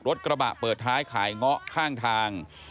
รถกระบะเปิดท้ายขายเงาะข้างทาง